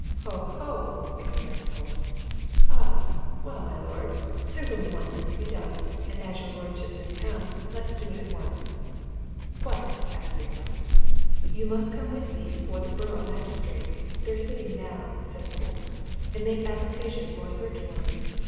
"Ho, ho!" exclaimed Polke. "Ah! Well, my lord, there's only one thing to be done, and as your lordship's in town, let us do it at once." "What?" asked the Earl. "You must come with me before the borough magistrates they're sitting now," said Polke, "and make application for a search warrant.